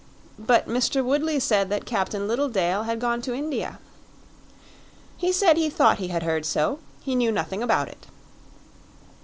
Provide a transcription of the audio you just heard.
"But Mr. Woodley said that Captain Littledale had gone to India." "He said he thought he had heard so; he knew nothing about it."